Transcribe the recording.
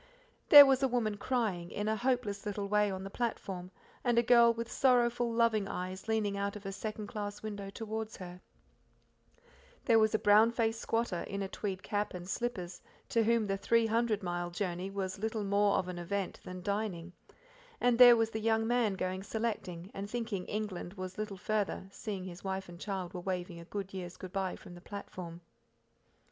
There was a woman crying: in a hopeless little way on the platform, and a girl with sorrowful, loving eyes leaning out of a second class window towards her; there was a brown faced squatter, in a tweed cap and slippers, to whom the three hundred mile journey was little more of an event than dining; and there was the young man going selecting, and thinking England was little farther, seeing his wife and child were waving a year's good bye from the platform.